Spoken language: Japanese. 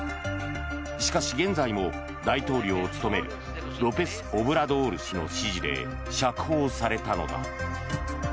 しかし現在も大統領を務めるロペス・オブラドール氏の指示で釈放されたのだ。